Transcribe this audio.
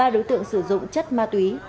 ba đối tượng sử dụng chất ma túy